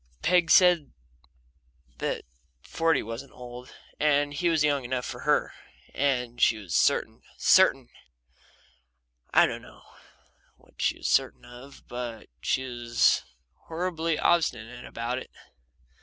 Peg said that forty wasn't old, and he was young enough for her, and she was certain, CERTAIN I don't know what she was certain of, but she was horribly obstinate about it.